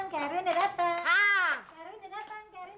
karwin udah datang